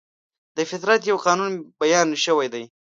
د فطرت یو قانون بیان شوی دی.